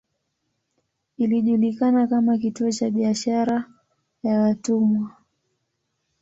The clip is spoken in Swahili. Ilijulikana kama kituo cha biashara ya watumwa.